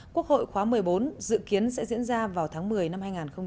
quốc hội khóa một mươi bốn dự kiến sẽ diễn ra vào tháng một mươi năm hai nghìn hai mươi